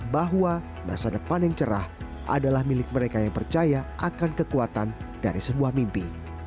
bahwa masa depan yang cerah adalah milik mereka yang percaya akan kekuatan dari sebuah mimpi